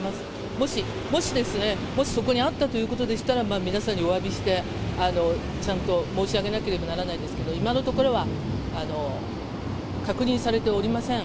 もし、もしですね、もしそこにあったということでしたら、皆さんにおわびして、ちゃんと申し上げなければならないですけど、今のところは、確認されておりません。